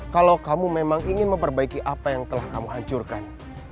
kalau kamu memang ingin memperbaiki apa yang telah kamu hancurkan